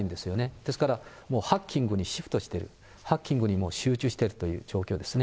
ですから、もうハッキングにシフトしてる、ハッキングに集中してるという状況ですね。